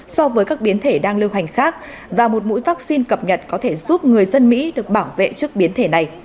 so với các biến thể đang lưu hành khác và một mũi vaccine cập nhật có thể giúp người dân mỹ được bảo vệ trước biến thể này